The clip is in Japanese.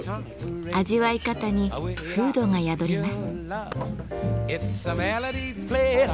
味わい方に風土が宿ります。